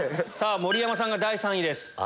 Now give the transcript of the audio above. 盛山さんが第３位です。